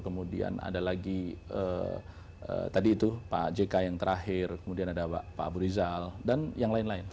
kemudian ada lagi tadi itu pak jk yang terakhir kemudian ada pak abu rizal dan yang lain lain